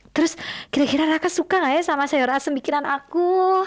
terus kira kira raka suka gak ya sama sayur asem bikinan aku